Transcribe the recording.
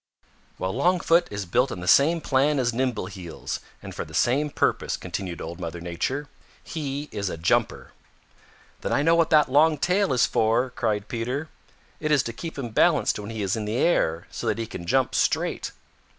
"Well, Longfoot is built on the same plan as Nimbleheels and for the same purpose," continued Old Mother Nature. "He is a jumper." "Then I know what that long tail is for," cried Peter. "It is to keep him balanced when he is in the air so that he can jump straight."